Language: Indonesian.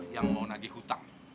yang mau nagih utang